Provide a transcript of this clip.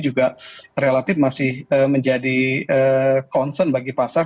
juga relatif masih menjadi concern bagi pasar